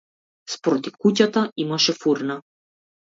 Спроти куќата имаше фурна.